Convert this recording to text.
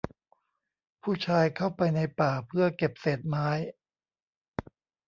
ผู้ชายเข้าไปในป่าเพื่อเก็บเศษไม้